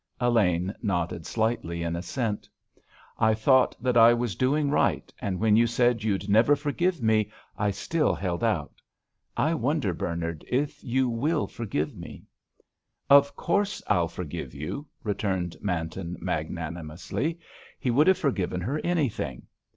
Elaine nodded slightly in assent. "I thought that I was doing right, and when you said you'd never forgive me I still held out. I wonder, Bernard, if you will forgive me?" "Of course I'll forgive you," returned Manton, magnanimously. He would have forgiven her anything.